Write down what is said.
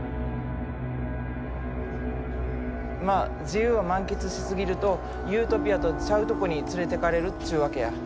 まあ自由を満喫しすぎるとユートピアとちゃうとこに連れてかれるっちゅうわけや。